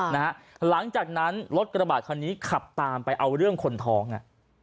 หลังจากนั้นรถกระบาดคันนี้ขับตามไปเอาเรื่องคนท้องอ่ะ